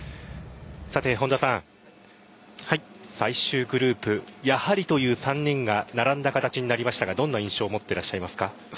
さて、本田さん最終グループやはりという３人が並んだ形になりましたがどんな印象ですか。